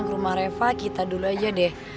rumah reva kita dulu aja deh